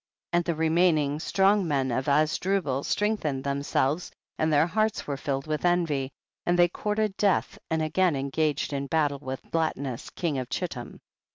12. And the remaining strong men 15 of Azdrubal strengthened themselves, and their hearts were filled with envy, and they courted death, and again engaged in battle with Latinus king of Chittim.